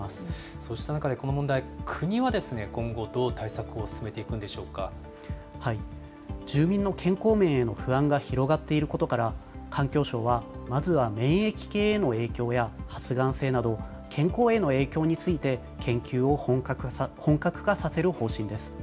そうした中でこの問題、国は今後、どう対策を進めていくんで住民の健康面への不安が広がっていることから、環境省は、まずは免疫系への影響や発がん性など、健康への影響について、研究を本格化させる方針です。